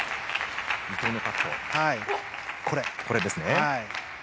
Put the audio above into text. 伊藤のカット、これですね。